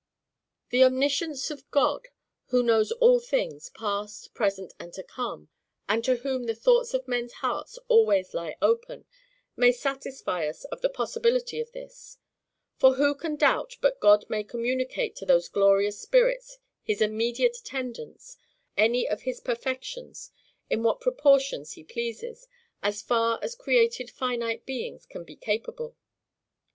The omniscience of God, who knows all things, past, present, and to come, and to whom the thoughts of men's hearts always lie open, may satisfy us of the possibility of this. For who can doubt but God may communicate to those glorious spirits, his immediate attendants, any of his perfections; in what proportions he pleases, as far as created finite beings can be capable?